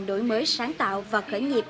đổi mới sáng tạo và khởi nghiệp